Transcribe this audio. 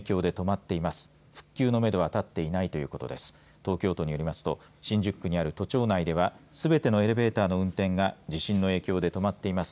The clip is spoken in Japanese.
また東京都によりますと新宿区にある都庁内ではすべてのエレベーターの運転が地震の影響で止まっています。